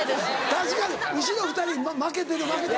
確かに後ろ２人負けてる負けてる。